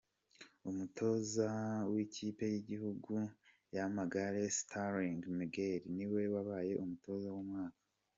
Umutoza w’Ikipe y’Igihugu y’Amagare, Sterling Magnell, niwe wabaye umutoza w’umwaka.